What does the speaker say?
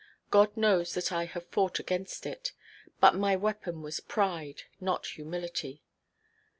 God knows that I have fought against it; but my weapon was pride, not humility.